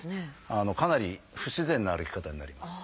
かなり不自然な歩き方になります。